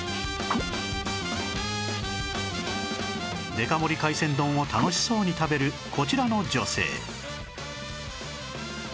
デカ盛り海鮮丼を楽しそうに食べるこちらの女性